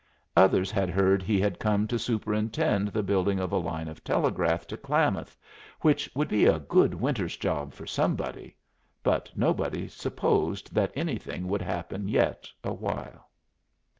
Others had heard he had come to superintend the building of a line of telegraph to Klamath, which would be a good winter's job for somebody; but nobody supposed that anything would happen yet awhile.